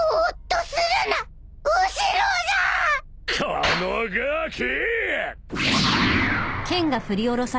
このガキ！